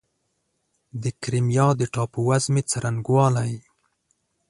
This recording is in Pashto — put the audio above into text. د کریمیا د ټاپووزمې څرنګوالی